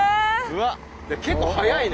結構速いね。